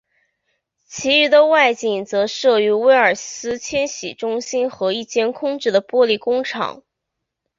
其余的外景则摄于威尔斯千禧中心和一间空置的玻璃工厂。